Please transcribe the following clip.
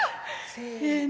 せの！